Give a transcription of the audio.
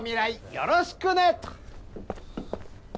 よろしくね」と。